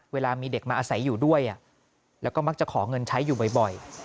เวลามีเด็กมาอาศัยอยู่ด้วยแล้วก็มักจะขอเงินใช้อยู่บ่อย